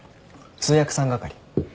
通訳さん係。